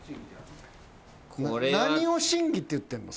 何を審議って言ってるの？